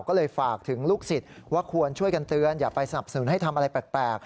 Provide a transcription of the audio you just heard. ก็เลยฝากถึงลูกศิษย์ว่าควรช่วยกันเตือนอย่าไปสนับสนุนให้ทำอะไรแปลก